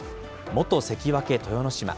元関脇・豊ノ島。